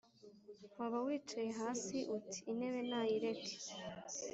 Waba wicaye hasiUti "intebe nayireke”